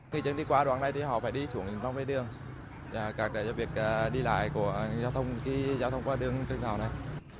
khi dân đi qua đoạn này thì họ phải đi xuống lòng đường các việc đi lại của giao thông qua đường trần hưng đạo này